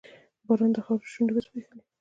باران د خاورو شونډې وځبیښلې